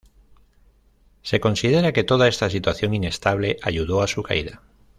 Se considera que toda esta situación inestable ayudó a su caída.